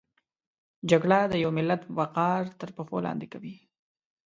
جګړه د یو ملت وقار تر پښو لاندې کوي